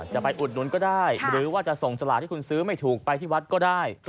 อุดหนุนก็ได้หรือว่าจะส่งสลากที่คุณซื้อไม่ถูกไปที่วัดก็ได้